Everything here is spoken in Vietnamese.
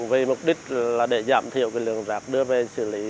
vì mục đích để giảm thiệu lượng rác đưa về xử lý